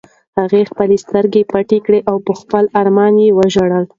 هغې خپلې سترګې پټې کړې او په خپل ارمان یې وژړل.